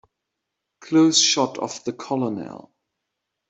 Close shot of the COLONEL.